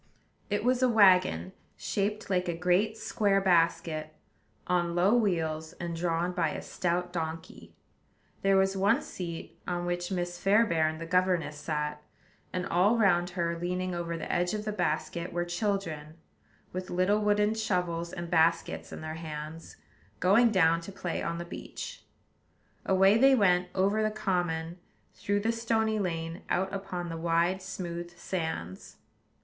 It was a wagon, shaped like a great square basket, on low wheels, and drawn by a stout donkey. There was one seat, on which Miss Fairbairn the governess sat; and all round her, leaning over the edge of the basket, were children, with little wooden shovels and baskets in their hands, going down to play on the beach. Away they went, over the common, through the stony lane, out upon the wide, smooth sands.